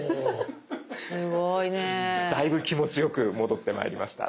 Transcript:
だいぶ気持ちよく戻ってまいりました。